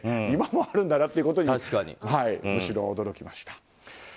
今もあるんだなということにむしろ、驚きました。